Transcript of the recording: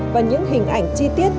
và những hình ảnh chi tiết